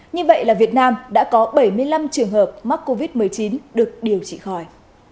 như vậy là việt nam đã có bảy mươi năm trường hợp mắc covid một mươi chín được điều trị khỏi